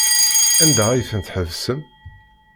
Anda ay tent-tḥebsem?